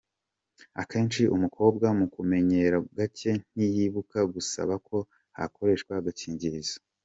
Akenshi umukobwa, mu kamenyero gake ntiyibuka gusaba ko hakoreshwa agakingirizo.